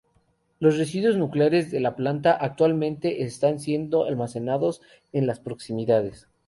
Los residuos nucleares de la planta actualmente están siendo almacenados en las proximidades.